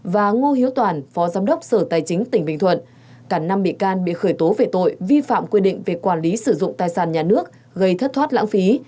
và ngô hiếu toàn phó giám đốc sở tài chính tỉnh bình thuận cả năm bị can bị khởi tố về tội vi phạm quy định về quản lý sử dụng tài sản nhà nước gây thất thoát lãng phí